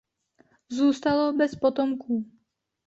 Zůstalo bez potomků.